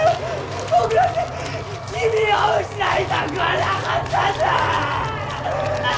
僕だって君を失いたくはなかったんだーっ！